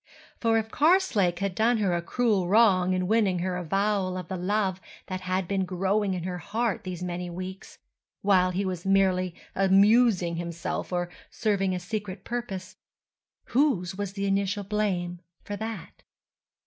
For if Karslake had done her a cruel wrong in winning her avowal of the love that had been growing in her heart these many weeks, while he was merely amusing himself or serving a secret purpose—whose was the initial blame for that?